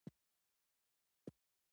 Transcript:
احمدشاه بابا د ولسي ارزښتونو ساتنه کوله.